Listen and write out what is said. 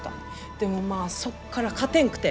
でもまあそっから勝てんくて。